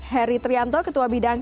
heri trianto ketua bidang